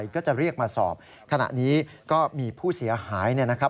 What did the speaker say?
เขาบอกว่าร้องไห้ตลอดเหมือนกัน